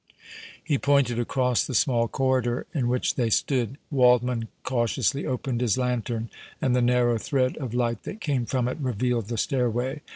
He pointed across the small corridor in which they stood. Waldmann cautiously opened his lantern and the narrow thread of light that came from it revealed the stairway.